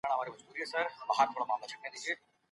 که کاغذ وي نو رسم نه پاتې کیږي.